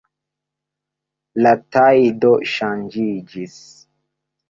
La tajdo ŝanĝiĝis.